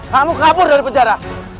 kamu kabur dari penjara